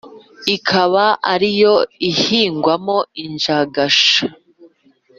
Ikaba ari yo ihingwamo injagasha